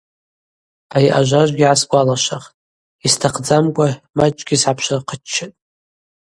Ари ажважвгьи гӏасгвалашвахтӏ, йстахъдзамкӏва мачӏкӏгьи сгӏапшвырхъыччатӏ.